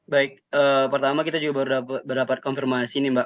baik pertama kita juga baru dapat konfirmasi nih mbak